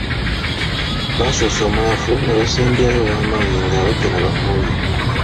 Basoosa omunafu ne basembyayo ow’amaanyi ng'abapena bakooye.